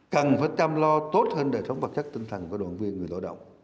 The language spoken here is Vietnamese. cần phải chăm lo tốt hơn đời sống vật chất tinh thần của đoàn viên người lao động